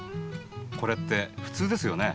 これってふつうですよね？